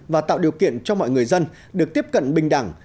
và tạo điều kiện cho mọi người dân được tiếp cận bình đẳng